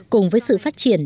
cùng với sự phát triển